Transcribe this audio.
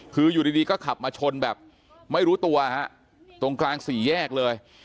คืออยู่ดีก็ขับมาชนแบบไม่รู้ตัวฮะตรงกลางสี่แยกเลย